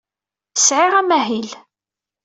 Sɛiɣ amahil.